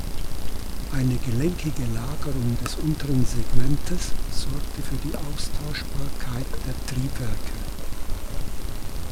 Eine gelenkige Lagerung des unteren Segmentes sorgte für die Austauschbarkeit der Triebwerke.